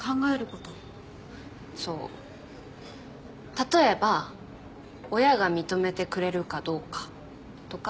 例えば親が認めてくれるかどうかとか？